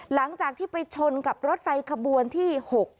หลังจากที่ไปชนกับรถไฟขบวนที่๖